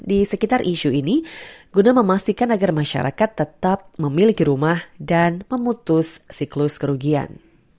di sekitar isu ini guna memastikan agar masyarakat tetap memiliki rumah dan memutus siklus kerugian